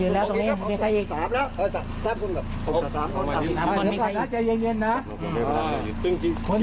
อีกคนหนึ่งอีกคนหนึ่ง